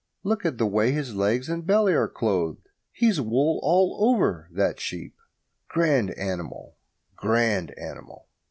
Look at the way his legs and belly are clothed he's wool all over, that sheep. Grand animal, grand animal!"